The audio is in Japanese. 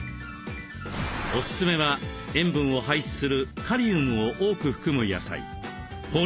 オススメは塩分を排出するカリウムを多く含む野菜。